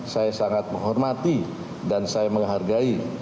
saya sangat menghormati dan saya menghargai